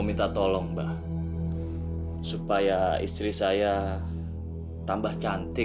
dia sangat setia sama kamu wadi